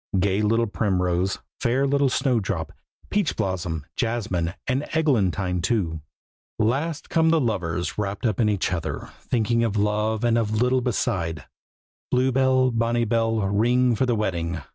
Gay little Primrose, fair little Snowdrop, Peachblossom, Jasmine and Eglantine too. Last come the lovers, wrapped up in each other, Thinking of love, and of little beside; Blue bell, bonnie bell, ring for the wedding!